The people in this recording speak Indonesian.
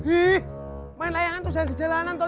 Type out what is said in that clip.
ih main layangan terus aja di jalanan toh